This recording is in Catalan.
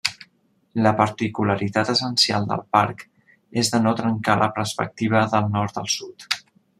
La particularitat essencial del parc és de no trencar la perspectiva del nord al sud.